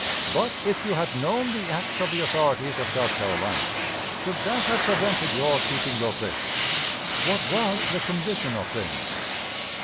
But, if you had known the acts of the authorities of South Carolina, should that have prevented your keeping your faith? What was the condition of things?